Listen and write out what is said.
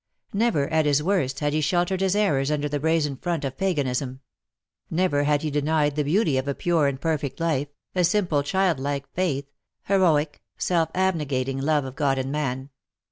Never at his worst had he sheltered his errors under the brazen front of paganism — never had he denied the beauty of a pure and perfect life, a simple childlike faith, heroic self abnegating love of God and man.